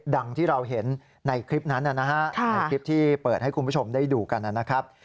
ดังที่เราเห็นในคลิปนั้นนะฮะในคลิปที่เปิดให้คุณผู้ชมได้ดูกันนะครับ